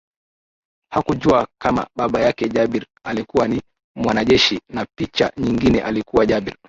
Hakujua kama baba yake Jabir alikuwa ni mwanajeshi na picha nyingine alikuwa Jabir